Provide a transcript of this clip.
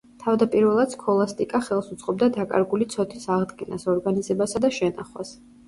თავდაპირველად სქოლასტიკა ხელს უწყობდა დაკარგული ცოდნის აღდგენას, ორგანიზებასა და შენახვას.